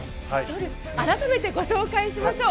改めてご紹介しましょう。